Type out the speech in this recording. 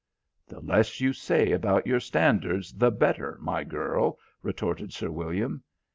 "The less you say about your standards, the better, my girl," retorted Sir William.